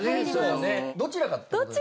どちらかってことですよね。